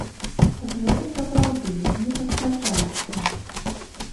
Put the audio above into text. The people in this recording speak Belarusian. З гэтым, сапраўды, не паспрачаешся.